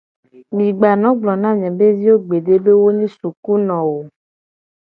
Mi gba no gblona miabe viwo gbede be wo nyi sukuno o.